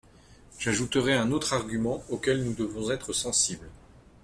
J’ajouterai un autre argument auquel nous devons être sensibles.